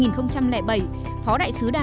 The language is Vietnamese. ngôn ngữ là một phần